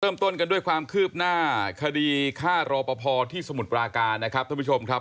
เริ่มต้นกันด้วยความคืบหน้าคดีฆ่ารอปภที่สมุทรปราการนะครับท่านผู้ชมครับ